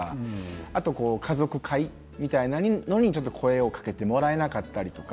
あと家族会みたいなものに声をかけてもらえなかったり。